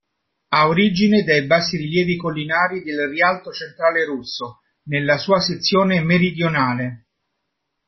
Ha origine dai bassi rilievi collinari del rialto centrale russo, nella sua sezione meridionale.